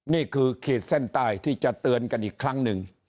ขีดเส้นใต้ที่จะเตือนกันอีกครั้งหนึ่ง